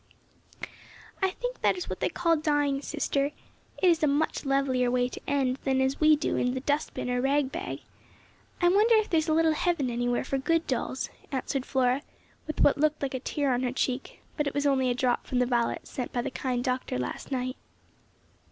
"I think that is what they call dying, sister. It is a much lovelier way to end than as we do in the dust bin or rag bag. I wonder if there is a little Heaven anywhere for good dolls?" answered Flora, with what looked like a tear on her cheek; but it was only a drop from the violets sent by the kind Doctor last night.